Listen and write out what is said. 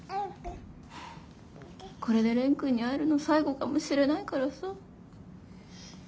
これで蓮くんに会えるの最後かもしれないからさ。